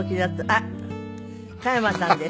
あっ加山さんです。